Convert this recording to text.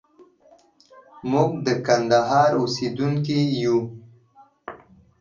موږ د کندهار اوسېدونکي يو.